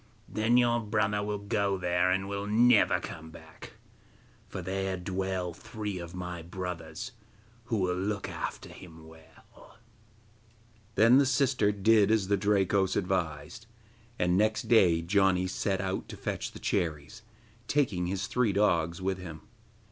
Then your brother will go there, and will never come back, for there dwell three of my brothers who will look after him well.' Then the sister did as the Drakos advised, and next day Janni set out to fetch the cherries, taking his three dogs with him.